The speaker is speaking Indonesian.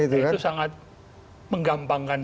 itu sangat menggampangkan